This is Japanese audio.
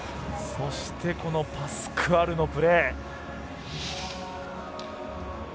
そしてこのパスクアルのプレー。